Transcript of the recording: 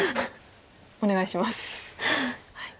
お願いします。